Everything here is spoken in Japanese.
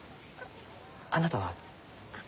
あなたは？